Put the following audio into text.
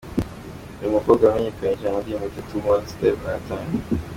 Uyu mukobwa wamenyekanye cyane mu ndirimbo Tatoo, One Step at a time….